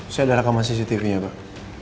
saya ada rekaman cctv nya pak